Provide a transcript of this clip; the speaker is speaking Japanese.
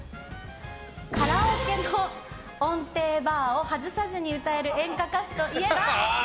カラオケの音程バーを外さずに歌える演歌歌手といえば？